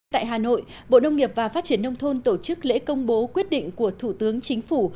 tại hà nội bộ nông nghiệp và phát triển nông thôn tổ chức lễ công bố quyết định của thủ tướng chính phủ